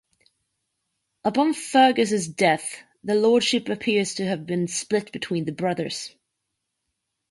Upon Fergus' death, the lordship appears to have been split between the brothers.